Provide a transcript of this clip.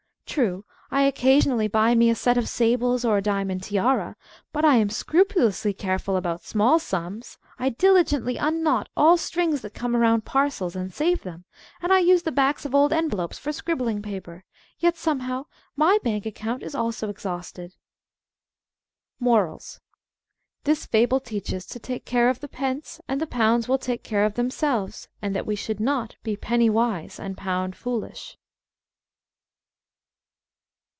True, I Occasionally buy me a Set of Sables or a Diamond Tiara, but I am Scrupulously Careful about Small Sums; I Diligently unknot all Strings that come around Parcels, and Save Them, and I use the Backs of old Envelopes for Scribbling Paper. Yet, somehow, my Bank Account is also Exhausted." MORALS: This Fable teaches to Takes Care of the Pence and the Pounds will Take Care of Themselves, and that we Should Not Be Penny Wise and Pound Foolish.